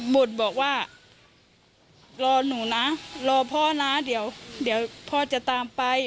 บุตรบอกว่ารอหนูนะรอพ่อนะเดี๋ยวพ่อจะตามไป